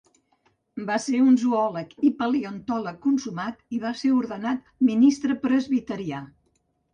Va ser un zoòleg i paleontòleg consumat, i va ser ordenat ministre presbiterià.